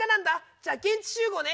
じゃあ現地集合ね。